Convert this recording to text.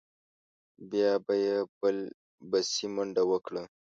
بیا به یې بل بسې منډه وکړه.